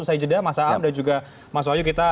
saya jeda mas am dan juga mas wahyu kita